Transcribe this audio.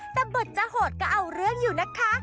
แต่บทจะโหดก็เอาเรื่องอยู่นะคะ